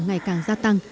ngày càng gia tăng